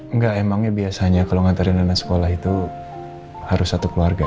enggak emangnya biasanya kalau ngantarin anak sekolah itu harus satu keluarga